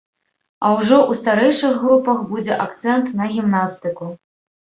А ўжо ў старэйшых групах будзе акцэнт на гімнастыку.